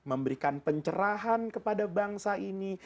memberikan pencerahan kepada bangsa ini